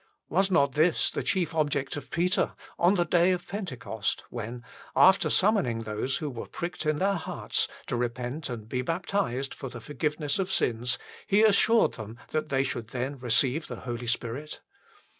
Was not this the chief object of Peter on the day of Pentecost, when, after summoning those who were pricked in their hearts to repent and be baptized for the forgive ness of sins, he assured them that they should then receive the Holy Spirit